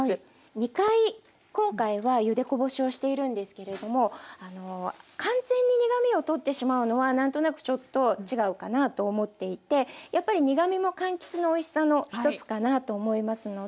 ２回今回はゆでこぼしをしているんですけれども完全に苦みを取ってしまうのは何となくちょっと違うかなと思っていてやっぱり苦みもかんきつのおいしさの一つかなと思いますので。